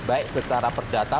baik secara perdata